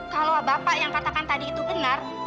kalau bapak yang katakan tadi itu benar